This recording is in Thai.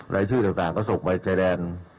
รายชื่อต่างก็ส่งไปชายแดน